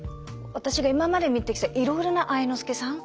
私が今まで見てきたいろいろな愛之助さん。